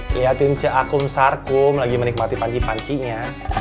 liatin ce akum sarkum lagi menikmati panci pancinya